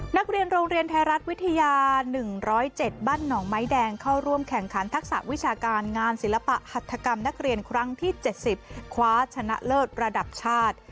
นักเรียนโรงเรียนไทยรัฐวิทยา๑๐๗บ้านหนองไม้แดงเข้าร่วมแข่งขันทักษะวิชาการงานศิลปะหัฐกรรมนักเรียนครั้งที่๗๐คว้าชนะเลิศระดับชาติ